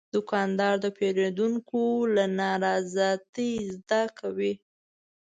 دوکاندار د پیرودونکو له نارضایتۍ زده کوي.